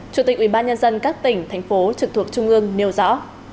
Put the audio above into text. chủ tịch ubnd các tỉnh thành phố trực thuộc trung ương nêu rõ